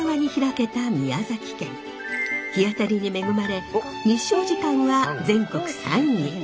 日当たりに恵まれ日照時間は全国３位。